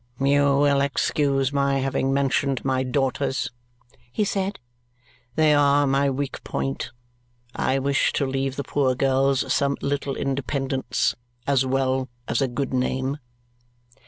"You will excuse my having mentioned my daughters," he said. "They are my weak point. I wish to leave the poor girls some little independence, as well as a good name."